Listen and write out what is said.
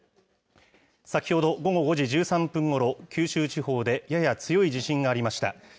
先ほど午後５時１３分ごろ、九州地方でやや強い地震がありました。